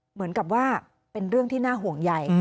เหมือนกับว่าเป็นเรื่องที่น่าห่วงใหญ่